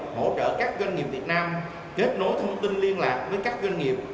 hỗ trợ các doanh nghiệp việt nam kết nối thông tin liên lạc với các doanh nghiệp